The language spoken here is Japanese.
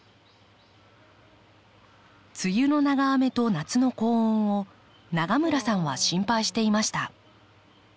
梅雨の長雨と夏の高温を永村さんは心配していました。